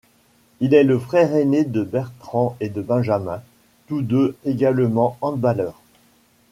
Il est le frère aîné de Bertrand et de Benjamin, tous deux également handballeurs.